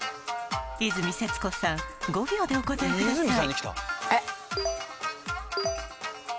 和泉節子さん５秒でお答えください